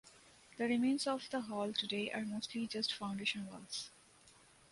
The remains of the hall today are mostly just foundation walls.